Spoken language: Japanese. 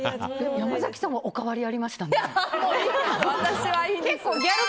山崎さんはお変わりありましたね。